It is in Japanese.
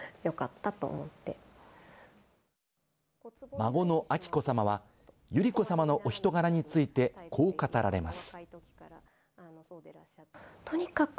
孫の彬子さまは百合子さまのお人柄について、こう語られます。